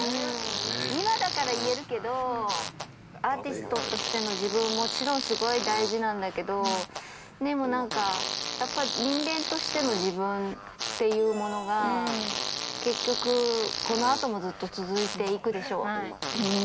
今だから言えるけど、アーティストとしての自分、もちろんすごい大事なんだけど、でもなんか、人間としての自分っていうものが、結局、このあともずっと続いていくでしょう。